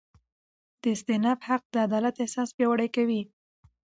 د استیناف حق د عدالت احساس پیاوړی کوي.